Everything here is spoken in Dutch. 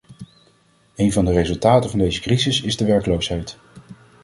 Een van de resultaten van deze crisis is de werkloosheid.